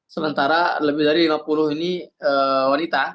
sementara lebih dari lima puluh ini wanita